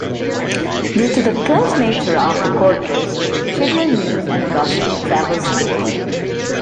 Due to the close nature of the quarters, trivial news and gossip travels quickly.